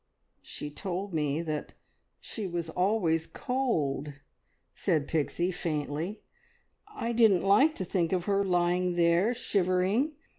"She told me that she was always cold," said Pixie faintly. "I didn't like to think of her lying there shivering.